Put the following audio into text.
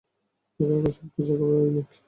এখানাকার সব কিছু একেবারে ইউনিক।